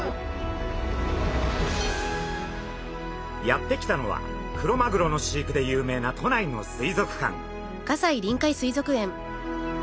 やって来たのはクロマグロの飼育で有名な都内の水族館。